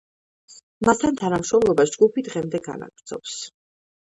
მასთან თანამშრომლობას ჯგუფი დღემდე განაგრძობს.